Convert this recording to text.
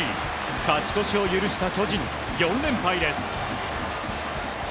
勝ち越しを許した巨人４連敗です。